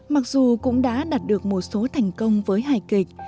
mặc dù cũng đã đạt được một số thành công với hài kịch